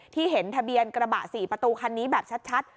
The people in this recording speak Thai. เห็นทะเบียนกระบะ๔ประตูคันนี้แบบชัด